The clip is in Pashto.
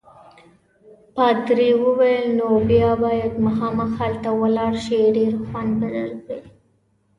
پادري وویل: نو بیا باید خامخا هلته ولاړ شې، ډېر خوند به درکړي.